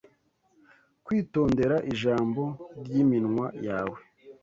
kwitondera ijambo ry’iminwa yawe